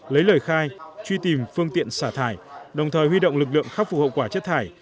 lấy lời khai truy tìm phương tiện xả thải đồng thời huy động lực lượng khắc phục hậu quả chất thải